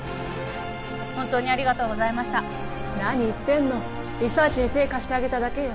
本当にありがとうございました何言ってんのリサーチに手貸してあげただけよ